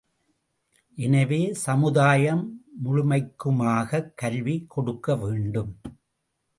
எனவே, சமுதாயம் முழுமைக்குமாகக் கல்வி கொடுக்கவேண்டும்.